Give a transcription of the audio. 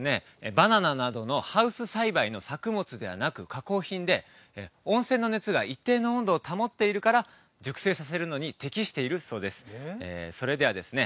バナナなどのハウス栽培の作物ではなく加工品で温泉の熱が一定の温度を保っているから熟成させるのに適しているそうですそれではですね